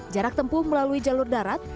jarak tempuh melalui jalur darat